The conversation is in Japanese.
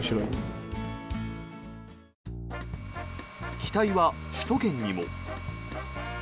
期待は首都圏にも。